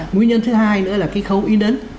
nguyên nhân thứ hai nữa là cái khâu in ấn